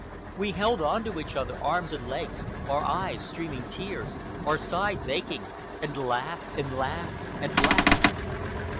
We held on to each other, arms and legs, our eyes streaming tears, our sides aching, and laughed and laughed and laughed.